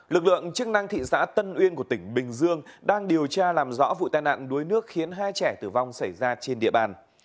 lực lượng chức năng thị xã tân uyên của tỉnh bình dương đang điều tra làm rõ vụ tai nạn đuối nước khiến hai trẻ tử vong xảy ra trên địa bàn